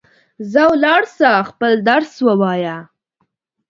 ځه ولاړ سه ، خپل درس ووایه